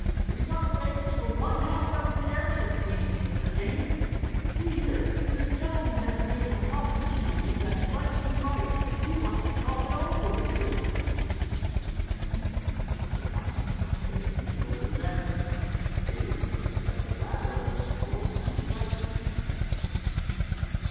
"We got the basis for one half dozen airship scenes, Mr. King. See here, this gentleman has made a proposition to me that strikes me right. He wants to talk it over with you." The airman turned to find himself facing the old inventor. Dave noticed that the latter was full of some excitement.